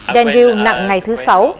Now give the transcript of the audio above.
daniel nặng ngày thứ sáu